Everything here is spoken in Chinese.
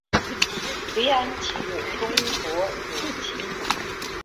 愧庵琴谱中国古琴谱。